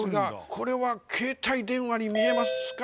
これは携帯電話に見えますか？